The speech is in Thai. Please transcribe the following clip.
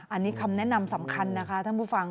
อันนี้คำแนะนำสำคัญนะคะท่านผู้ฟัง